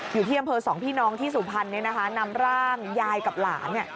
อยู่ที่อำเภอสองพี่น้องที่สุพรรณนำร่างยายกับหลาน